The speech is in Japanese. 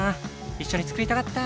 一緒に作りたかった！